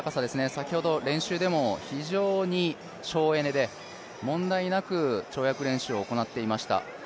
先ほど練習でも非常に省エネで問題なく跳躍練習を行っていました。